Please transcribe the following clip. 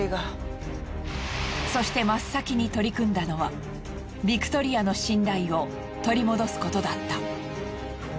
そして真っ先に取り組んだのはビクトリアの信頼を取り戻すことだった。